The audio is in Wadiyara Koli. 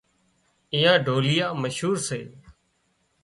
اين ڍوليئا مشهور سي